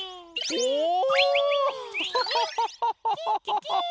おお。